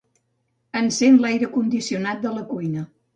Encén l'aire condicionat de la cuina.